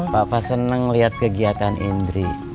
papa seneng liat kegiatan indri